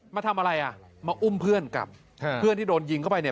มาทำอะไรอ่ะมาอุ้มเพื่อนกลับเพื่อนที่โดนยิงเข้าไปเนี่ย